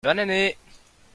bonne année.